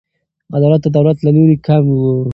عدالت د دولت له لوري کم و.